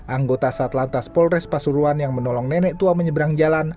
anggota satlantas polres pasuruan yang menolong nenek tua menyeberang jalan